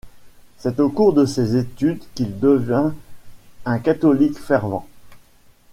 C'est au cours de ses études qu’il devint un catholique fervent.